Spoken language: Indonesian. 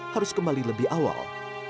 harus kembali lebih awal